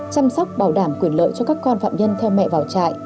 chăm sóc bảo đảm quyền lợi cho các con phạm nhân theo mẹ vào trại